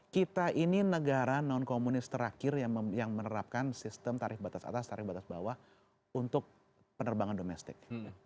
kita ini negara non komunis terakhir yang menerapkan sistem tarif batas atas tarif batas bawah untuk penerbangan domestik